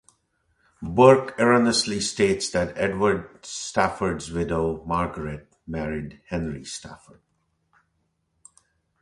Burke erroneously states that Edward Stafford's widow, Margaret, married Henry Stafford.